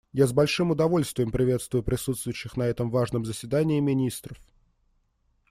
Я с большим удовольствием приветствую присутствующих на этом важном заседании министров.